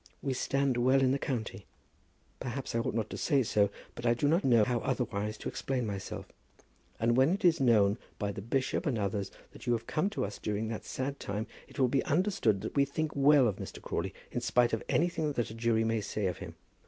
We stand well in the county. Perhaps I ought not to say so, but I do not know how otherwise to explain myself; and when it is known, by the bishop and others, that you have come to us during that sad time, it will be understood that we think well of Mr. Crawley, in spite of anything that a jury may say of him.